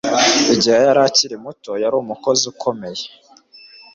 igihe yari akiri muto, yari umukozi ukomeye